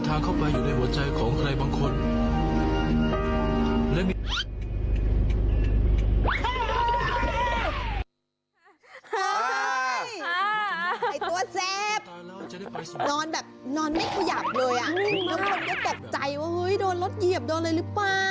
ตักใจว่าเห้ยโดนรถเหียบโดนอะไรหรือเปล่า